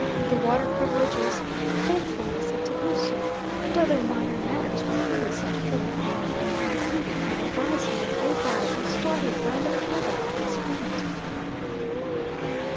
The water privileges, the faithfulness of Tiburcio, and other minor matters were fully set forth, and he concluded by advising that they buy or start a brand of cattle on this grant.